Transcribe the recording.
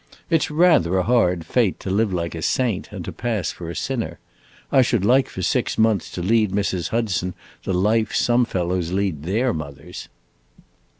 It 's rather a hard fate, to live like a saint and to pass for a sinner! I should like for six months to lead Mrs. Hudson the life some fellows lead their mothers!"